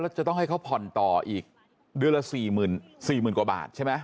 จะต้องให้เขาผ่อนต่ออีกเดือนละ๔๐๐๐กว่าบาทใช่ไหม